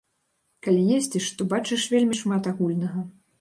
Калі ездзіш, то бачыш вельмі шмат агульнага.